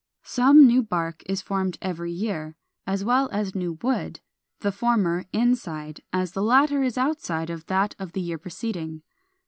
] 430. Some new bark is formed every year, as well as new wood, the former inside, as the latter is outside of that of the year preceding.